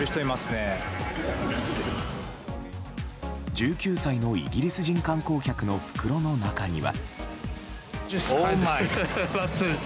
１９歳のイギリス人観光客の袋の中には。